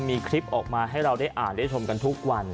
มีคลิปออกมาให้เราได้อ่านได้ชมกันทุกวัน